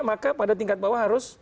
maka pada tingkat bawah harus